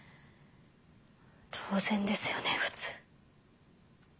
当然ですよね普通。